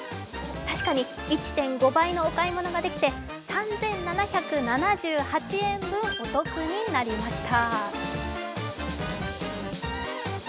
確かに１．５倍のお買い物ができて３７７８円分お得になりました。